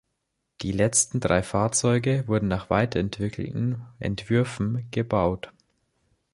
Die letzten drei Fahrzeuge wurden nach weiterentwickelten Entwürfen gebaut.